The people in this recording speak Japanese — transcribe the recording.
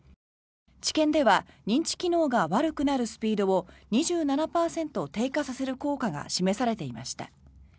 治験では認知機能が悪くなるスピードを２７％低下させる効果が示されていました。